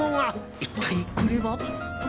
一体これは？